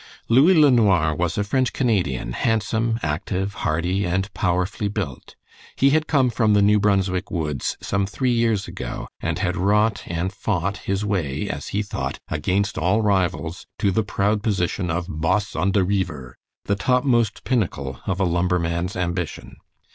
Louis LeNoir was a French Canadian, handsome, active, hardy, and powerfully built. He had come from the New Brunswick woods some three years ago, and had wrought and fought his way, as he thought, against all rivals to the proud position of "boss on de reever," the topmost pinnacle of a lumberman's ambition.